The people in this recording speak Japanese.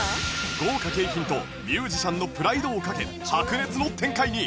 豪華景品とミュージシャンのプライドをかけ白熱の展開に